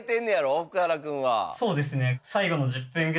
そうですね。